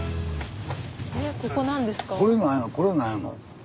これ何やの？